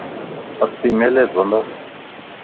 اسين ميليءَ مَ ونداسين